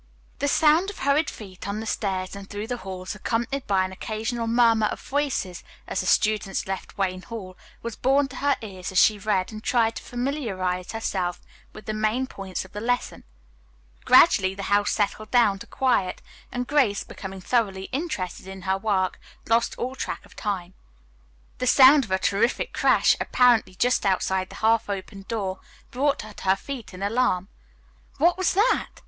The sound of hurried feet on the stairs and through the halls, accompanied by an occasional murmur of voices as the students left Wayne Hall, was borne to her ears as she read and tried to familiarize herself with the main points of the lesson. Gradually the house settled down to quiet, and Grace, becoming thoroughly interested in her work, lost all track of time. The sound of a terrific crash, apparently just outside the half opened door, brought her to her feet in alarm. "What was that?"